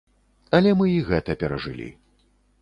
Але мы і гэта перажылі.